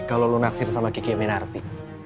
kalau lo naksir sama kiki aminarti